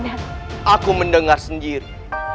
aku mendengar sendiri